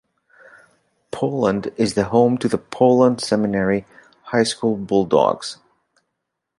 Poland is the home to the Poland Seminary High School Bulldogs.